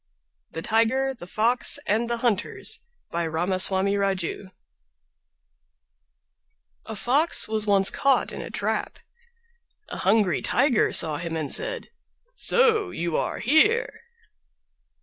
THE TIGER, THE FOX, AND THE HUNTERS By Ramaswami Raju A fox was once caught in a trap. A hungry Tiger saw him and said, "So you are here!"